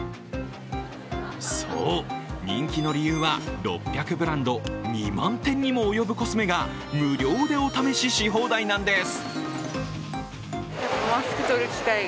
そう、人気の理由は６００ブランド２万点にも及ぶコスメが無料でお試しし放題なんです。